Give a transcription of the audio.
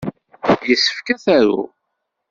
Yessefk ad t-aruɣ.